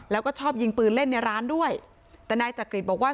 แล้วก็ชอบยิงปืนเล่นในร้านด้วยแต่นายจักริตบอกว่า